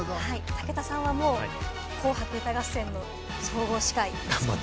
武田さんは『紅白歌合戦』の総合司会。